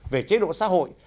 về chế độ xã hội